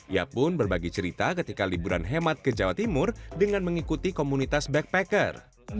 ia pun berbagi cerita ketika liburan hemat ke jawa timur dengan mengikuti komunitas backpacker